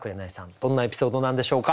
どんなエピソードなんでしょうか？